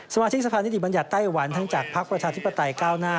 มาชิกสะพานิติบัญญัติไต้หวันทั้งจากภักดิ์ประชาธิปไตยก้าวหน้า